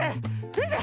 みて！